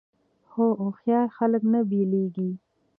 خو هوښیار خلک نه بیلیږي.